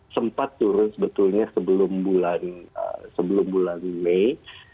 sempat turun sebetulnya sebelum bulan mei